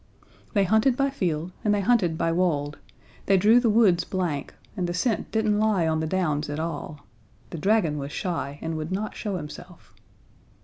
They hunted by field, and they hunted by wold; they drew the woods blank, and the scent didn't lie on the downs at all. The dragon was shy, and would not show himself.